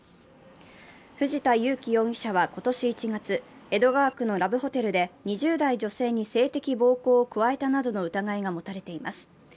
藤田祐樹容疑者は今年１月、江戸川区のラブホテルで２０代女性に性的暴行を加えたなどの疑いが持たれています。